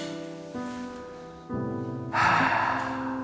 はあ。